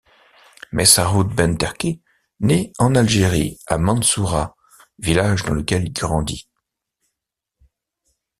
Messaoud Benterki naît en Algérie à Mansoura, village dans lequel il grandit.